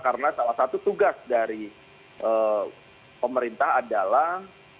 karena salah satu tugas dari pemerintah adalah